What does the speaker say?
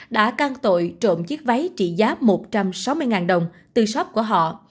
đã can tội trộm chiếc váy trị giá một trăm sáu mươi đồng từ shop của họ